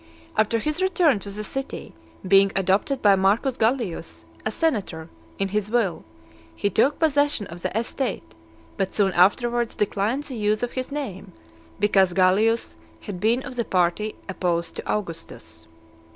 After his return to the city, being adopted by Marcus Gallius, a senator, in his will, he took possession of the estate; but soon afterwards declined the use of his name, because Gallius had been of the party opposed to Augustus.